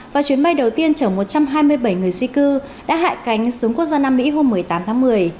và chuyến bay đầu tiên chở một trăm hai mươi bảy người di cư đã hại cánh xuống quốc gia nam mỹ hôm một mươi tám tháng một mươi